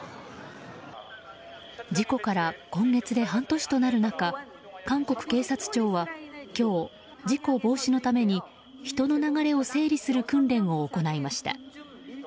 事故から今月で半年となる中韓国警察庁は今日、事故防止のために人の流れを整理する訓練を行いました。